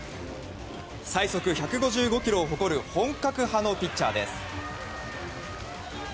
最速１５５キロを誇る本格派のピッチャーです。